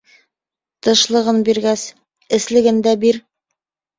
Тышлығын биргәс, эслеген дә бир.